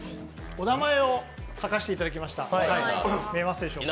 お名前を書かせていただきました。